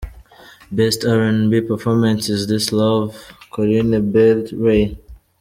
Best R&B Performance – Is This Love, Corinne Bailey Rae.